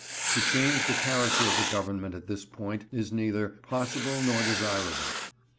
To change the character of the government at this point is neither possible nor desirable.